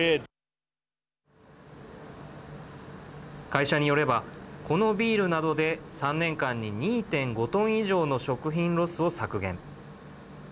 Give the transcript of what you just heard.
会社によればこのビールなどで３年間に２．５トン以上の食品ロスを削減。